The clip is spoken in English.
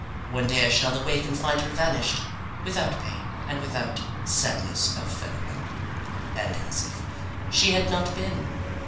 One day I shall awake and find her vanished without pain and without "sadness of farewell," and as if she had not been.